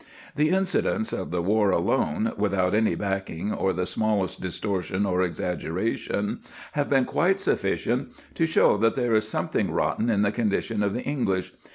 The incidents of the war alone, without any backing or the smallest distortion or exaggeration, have been quite sufficient to show that there is something rotten in the condition of the English.